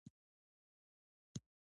د پملا په ګڼو کې د مقالو شمیر معلوم نه وي.